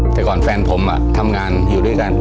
แต่ก่อนแฟนผมทำงานอยู่ด้วยกัน